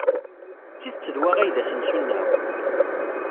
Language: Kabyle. D tidet d wa ay d asensu-nneɣ?